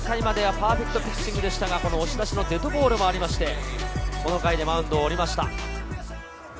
反撃ののろしを上げて戸郷が４回までパーフェクトピッチングでしたが押し出しのデッドボールもあって、この回でマウンドを降りました。